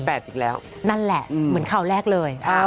อีกแล้วนั่นแหละเหมือนข่าวแรกเลย